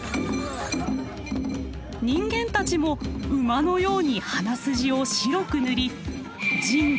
人間たちも馬のように鼻筋を白く塗り人馬